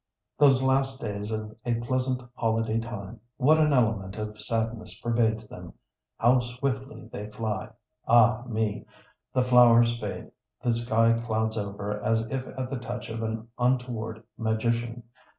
Those last days of a pleasant holiday time, what an element of sadness pervades them. How swiftly they fly! Ah, me! The flowers fade, the sky clouds over as if at the touch of an untoward magician.